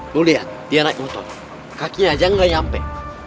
lu liat dia naik motor kakinya aja gak nyampe